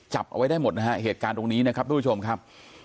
จับเอาไว้ได้หมดนะฮะเหตุการณ์ตรงนี้นะครับทุกผู้ชมครับ